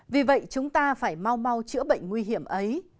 vì vậy chúng ta phải mau mau chữa bệnh nguy hiểm ấy